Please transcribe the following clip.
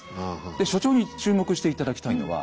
で所長に注目して頂きたいのは。